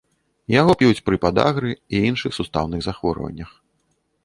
Яго п'юць пры падагры і іншых сустаўных захворваннях.